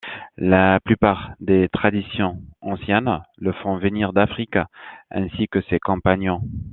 La plupart des traditions anciennes le font venir d'Afrique, ainsi que ses compagnons.